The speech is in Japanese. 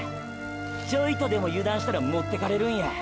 ちょいとでも油断したらもってかれるんや！！